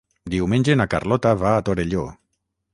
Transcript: Diumenge na Carlota va a Torelló.